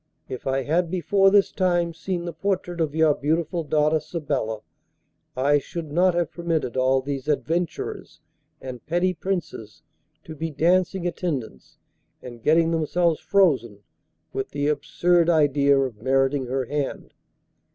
If I had before this time seen the portrait of your beautiful daughter Sabella I should not have permitted all these adventurers and petty Princes to be dancing attendance and getting themselves frozen with the absurd idea of meriting her hand.